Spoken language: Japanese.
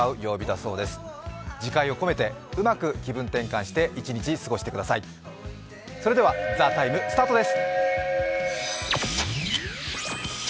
それでは「ＴＨＥＴＩＭＥ，」スタートです。